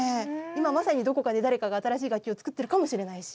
今まさにどこかで誰かが新しい楽器を作ってるかもしれないし。